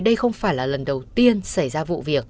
đây không phải là lần đầu tiên xảy ra vụ việc